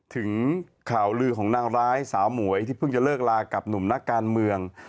ถึงข่าวลือของนางร้ายสาวหมวยที่เพิ่งจะเลิกลากับหนุ่มนักการเมือง